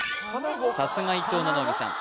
さすが伊藤七海さん